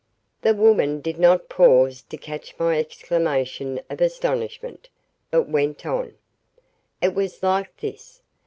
The woman did not pause to catch my exclamation of astonishment, but went on, "It was like this.